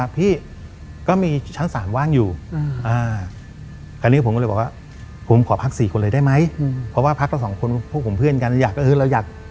พวกผมเพื่อนกันอยากเออเราอยาก